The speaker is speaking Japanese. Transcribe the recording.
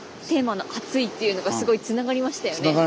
テーマの「アツイ」っていうのがすごいつながりましたよね。